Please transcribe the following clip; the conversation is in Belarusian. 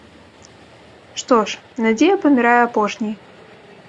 Што ж, надзея памірае апошняй.